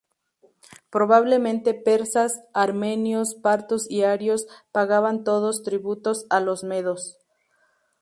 Probablemente persas, armenios, partos y arios, pagaban todos tributo a los medos.